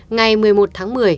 ngày một mươi một tháng một mươi